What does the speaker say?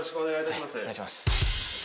お願いします。